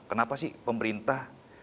kenapa sih pemerintah